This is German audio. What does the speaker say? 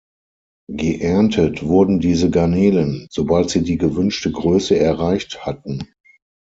Geerntet wurden diese Garnelen, sobald sie die gewünschte Größe erreicht hatten.